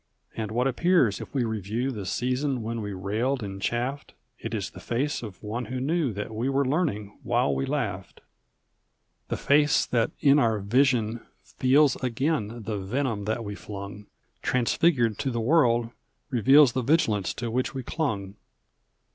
And what appears if we review The season when we railed and chaflFed? It is the face of one who knew That we were learning while we laughed. The face that in our vision feels Again the venom that we flung, Transfigured to the world reveals The vigilance to which we clung.